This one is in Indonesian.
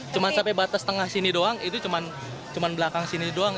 cuma sampai batas tengah sini doang itu cuma belakang sini doang